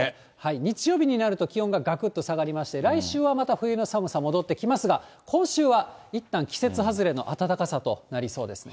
日曜日になると気温ががくっと下がりまして、来週はまた、冬の寒さ戻ってきますが、今週はいったん季節外れの暖かさとなりそうです。